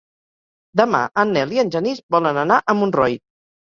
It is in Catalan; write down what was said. Demà en Nel i en Genís volen anar a Montroi.